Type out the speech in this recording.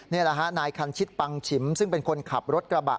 นี่แหละฮะนายคันชิตปังฉิมซึ่งเป็นคนขับรถกระบะ